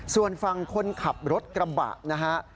ส่วนฝั่งคนขับรถกระบะนะฮะ